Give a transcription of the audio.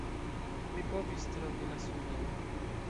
Mi povis trovi la sudon.